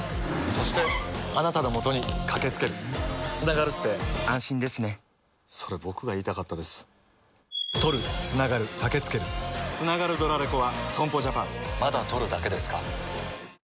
そして、あなたのもとにかけつけるつながるって安心ですねそれ、僕が言いたかったですつながるドラレコは損保ジャパンまだ録るだけですか？